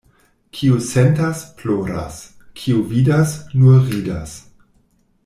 Kiu sentas — ploras, kiu vidas — nur ridas.